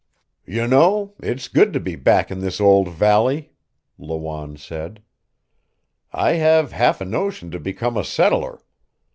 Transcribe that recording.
"You know, it's good to be back in this old valley," Lawanne said. "I have half a notion to become a settler.